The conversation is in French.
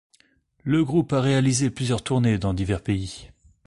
Le groupe a réalisé plusieurs tournées dans divers pays.